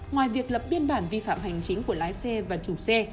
ngoài việc lập biên bản vi phạm hành chính của lái xe và chủ xe